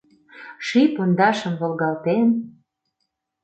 Ший пондашым волгалтен